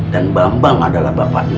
dan bambang adalah bapaknya